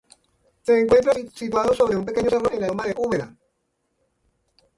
Se encuentra situado sobre un pequeño cerro en la loma de Úbeda.